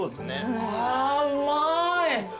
あうまい。